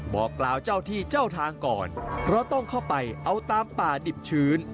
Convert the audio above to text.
บอกกล่าวเจ้าที่เจ้าทางก่อนเพราะต้องเข้าไปเอาตามป่าดิบชื้น